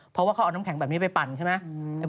เพราะว่าเขาเอาน้ำแข็งแบบนี้ไปปั่นใช่ไหม